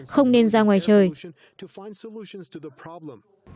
không nên ra ngoài trời